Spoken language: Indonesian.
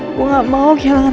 aku gak mau kehilangan